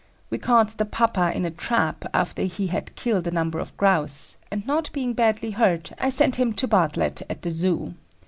We caught the papa in a trap after he had killed a number of grouse, and not being badly hurt, I sent him to Bartlett at the Zoo.